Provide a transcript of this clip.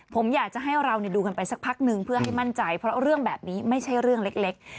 ผมอยากจะให้เราดูกันไปสักพักนึงเพื่อให้มั่นใจเพราะเรื่องแบบนี้ไม่ใช่เรื่องเล็ก